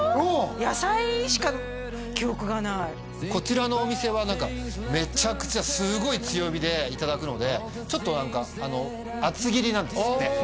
うん野菜しか記憶がないこちらのお店は何かめちゃくちゃすごい強火でいただくのでちょっと何か厚切りなんですって